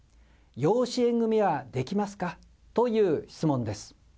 養子縁組はできますか？という質問です。